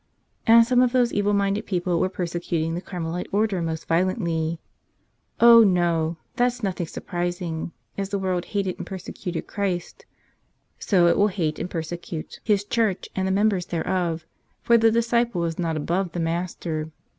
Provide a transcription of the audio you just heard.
And some of those evil minded people were perse¬ cuting the Carmelite Order most violently. Oh, no; that's nothing surprising; as the world hated and persecuted Christ, so it will hate and persecute 113 "Tell Us 4 nother! " His Church and the members thereof; for the disciple is not above the Master.